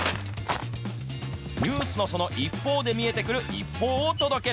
ニュースのその一方で見えてくる一報を届ける。